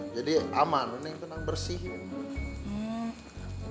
jadi aman bersihin